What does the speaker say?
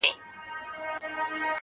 چي د روسيې د صدراعظم کاسيګين